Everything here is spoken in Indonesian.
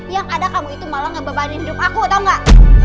yang ada kamu itu malah ngebebanin hidup aku atau enggak